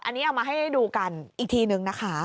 อันนี้เอามาให้ดูกันอีกทีนึงนะคะ